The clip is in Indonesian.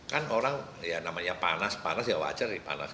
kan orang ya namanya panas panas ya wajar sih panas